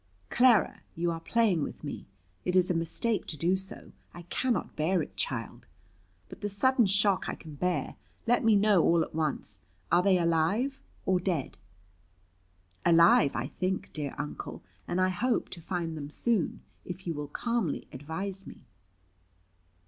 "Clara, you are playing with me. It is a mistake to do so. I cannot bear it, child. But the sudden shock I can bear. Let me know all at once. Are they alive or dead?" "Alive, I think, dear Uncle; and I hope to find them soon, if you will calmly advise me."